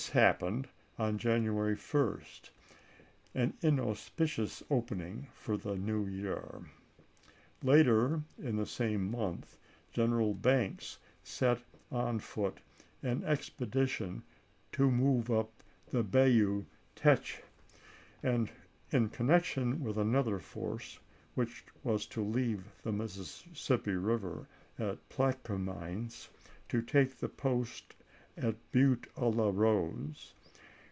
happened on January 1st ; an inauspicious opening for the New Year. Later in the same month General Banks set on foot an expedition to move up the Bayou Teche, and, in connection with another force, which was to leave the Mississippi Eiver at Plaque mines, to take the post at Butte a la Rose.